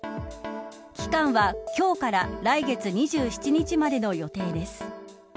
期間は今日から来月２７日までの予定です。